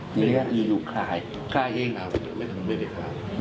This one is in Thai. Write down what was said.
จริงยูคลายคลายเอง